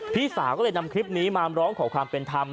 พี่สาวก็เลยนำคลิปนี้มาร้องขอความเป็นธรรม